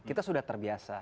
kita sudah terbiasa